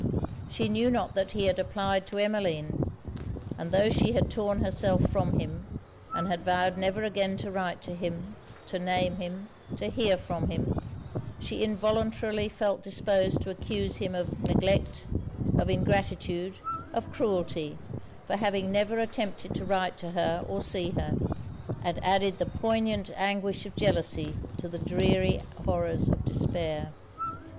She knew not that he had applied to Emmeline: and tho' she had torn herself from him, and had vowed never again to write to him, to name him, to hear from him, she involuntarily felt disposed to accuse him of neglect, of ingratitude, of cruelty, for having never attempted to write to her or see her; and added the poignant anguish of jealousy to the dreary horrors of despair.